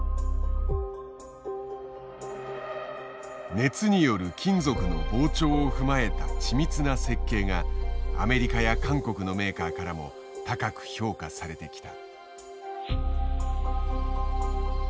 熱による金属の膨張を踏まえた緻密な設計がアメリカや韓国のメーカーからも高く評価されてきた。